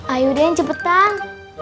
ayo deh cepetan